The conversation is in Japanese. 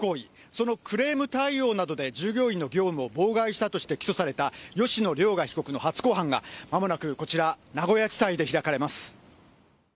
そのクレーム対応などで、従業員の業務などを妨害したとして起訴された吉野凌雅被告の初公判が、まもなくこちら、名古屋地裁で開かれます。